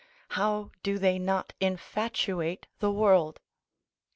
How do they not infatuate the world?